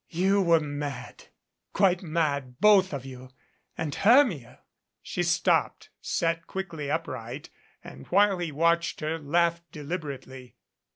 "You were mad quite mad, both of you. And Hermia " she stopped, sat quickly upright, and while he watched her, laughed deliberately.